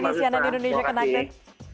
di sianan indonesia connected